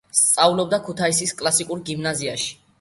სწავლობდა ქუთაისის კლასიკურ გიმნაზიაში.